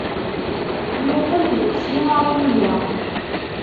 Muqel deg usinaryu-ya.